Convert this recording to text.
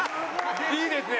いいですね。